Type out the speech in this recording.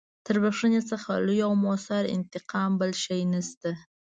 تر بخښنې څخه لوی او مؤثر انتقام بل نشته.